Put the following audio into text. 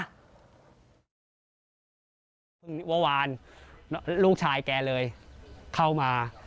เมื่อวานลูกชายแกเลยเข้ามา